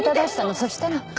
そしたら。